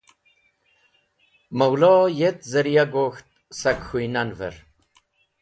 Mawlo yet zariya gok̃ht sak k̃hũynan’ver.